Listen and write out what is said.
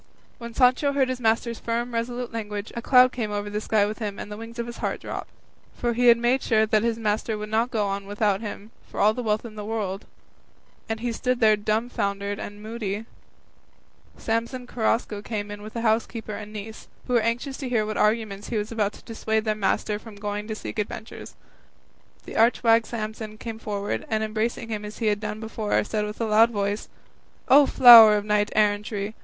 When Sancho heard his master's firm, resolute language, a cloud came over the sky with him and the wings of his heart drooped, for he had made sure that his master would not go without him for all the wealth of the world; and as he stood there dumbfoundered and moody, Samson Carrasco came in with the housekeeper and niece, who were anxious to hear by what arguments he was about to dissuade their master from going to seek adventures. The arch wag Samson came forward, and embracing him as he had done before, said with a loud voice, "O flower of knight errantry!